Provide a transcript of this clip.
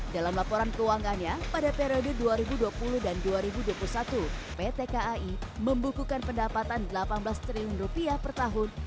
dalam laporan keuangannya pada periode dua ribu dua puluh dan dua ribu dua puluh satu pt kai membukukan pendapatan delapan belas triliun rupiah per tahun